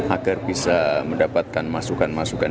agar bisa mendapatkan masukan masukan